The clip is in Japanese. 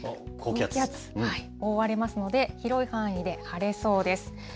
高気圧覆われますので、広い範囲で晴れそうです。